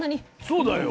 そうだよ。